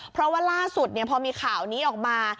เพราะว่าล่าสุดพอมีข่าวนี้ออกมา